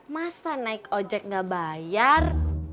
masa naik ojek nggak bayar